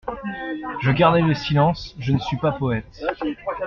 Je gardai le silence : je ne suis pas poète.